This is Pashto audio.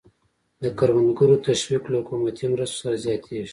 د کروندګرو تشویق له حکومتي مرستو سره زیاتېږي.